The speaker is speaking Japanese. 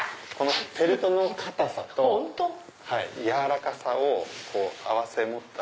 フェルトの硬さと柔らかさを併せ持った。